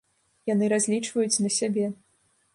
Яны разлічваюць на сябе.